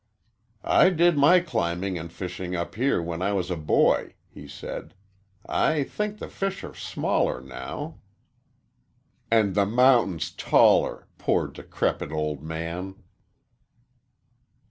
"I did my climbing and fishing up here when I was a boy," he said. "I think the fish are smaller now " "And the mountains taller poor, decrepit old man!"